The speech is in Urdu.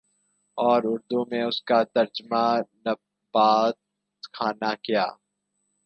اور اردو میں اس کا ترجمہ نبات خانہ کیا